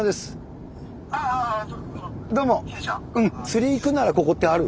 釣り行くならここってある？